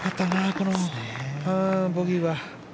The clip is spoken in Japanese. このボギーは。